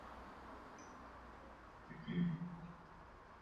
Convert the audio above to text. hali ya muziki wa sehemu hiyo Alipokuwa Los Angeles aliungana na mbia mwenzake